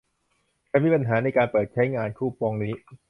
ฉันมีปัญหาในการเปิดใช้งานคูปองนี้